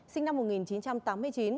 sinh năm một nghìn chín trăm tám mươi chín